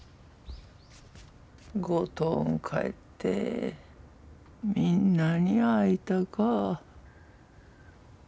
五島ん帰ってみんなに会いたか。